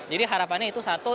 jadi harapannya itu satu